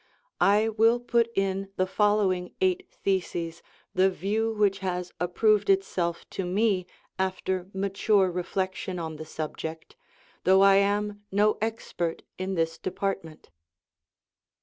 I will put in the following eight theses the view which has approved itself to me after mature reflection on the subject, though I am no expert in this department : I.